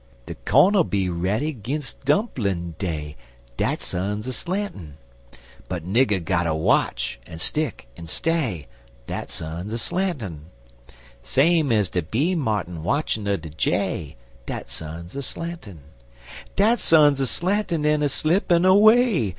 Do co'n 'll be ready 'g'inst dumplin' day Dat sun's a slantin'; But nigger gotter watch, en stick, en stay Dat sun's a slantin'; Same ez de bee martin watchin' un de jay Dat sun's a slantin'; Dat sun's a slantin' en a slippin' away!